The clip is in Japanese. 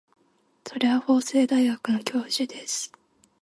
それは法政大学の教授です。